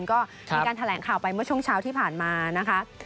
ก็มีการแถลงข่าวไปเมื่อช่วงเช้าที่ผ่านมานะคะ